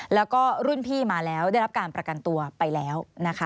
แล้วก็รุ่นพี่มาแล้วได้รับการประกันตัวไปแล้วนะคะ